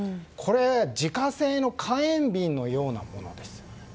自家製の火炎瓶のようなものです。